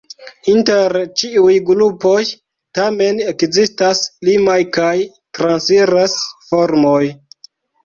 Inter ĉiuj grupoj tamen ekzistas limaj kaj transiraj formoj.